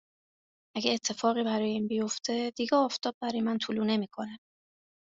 اگه اتفاقی برای این بیفته دیگه آفتاب برای من طلوع نمیکنه